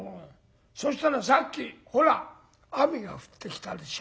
そしたらさっきほら雨が降ってきたでしょ？